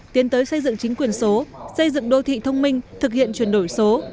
tiến tới xây dựng chính quyền số xây dựng đô thị thông minh thực hiện chuyển đổi số